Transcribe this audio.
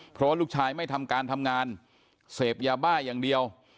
เพราะว่าลูกชายไม่ทำการทำงานเสพยาบ้าอย่างเดียว